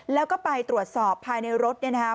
แล้วก็ไปตรวจสอบภายในรถเนี่ยนะครับ